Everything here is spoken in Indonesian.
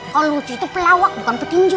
kalau lucu itu pelawak bukan petinju